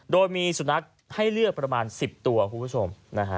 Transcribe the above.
โดยมีสุนัขให้เลือกประมาณ๑๐ตัวคุณผู้ชม